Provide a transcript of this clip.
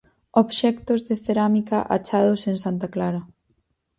Obxectos de cerámica achados en Santa Clara.